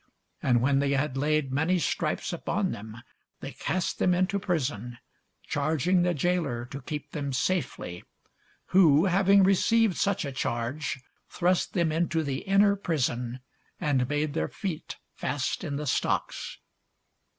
And when they had laid many stripes upon them, they cast them into prison, charging the jailor to keep them safely: who, having received such a charge, thrust them into the inner prison, and made their feet fast in the stocks.